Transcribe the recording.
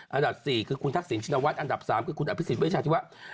อันดับ๔คือคุณทักษิณชินวัชอันดับ๓คือคุณอภิสิทธิ์เวชาชีวะ